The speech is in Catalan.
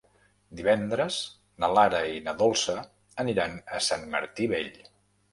Divendres na Lara i na Dolça aniran a Sant Martí Vell.